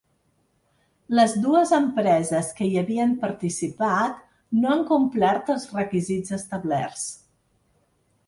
Les dues empreses que hi havien participat no han complert els requisits establerts.